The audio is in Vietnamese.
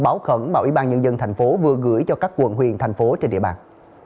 báo của ủy ban nhân dân thành phố vừa gửi cho các quận huyện thành phố trên địa bàn